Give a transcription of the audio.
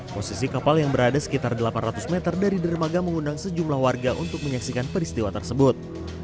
posisi kapal yang berada sekitar delapan ratus meter dari dermaga mengundang sejumlah warga untuk menyaksikan peristiwa tersebut